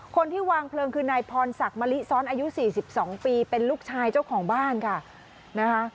คนที่วางเพลิงคือนายพรศักดิ์มะลิซ้อนอายุ๔๒ปีเป็นลูกชายเจ้าของบ้านค่ะนะคะ